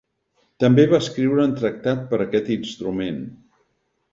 També va escriure un tractat per aquest instrument.